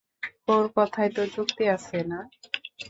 ওর কথায় তো যুক্তি আছে, না?